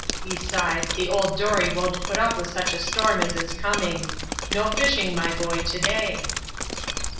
Besides, the old dory won't put up with such a storm as is coming. No fishing, my boy, to day."